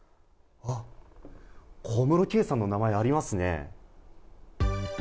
小室圭さんの名前ありますね。